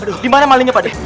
aduh dimana malingnya pakde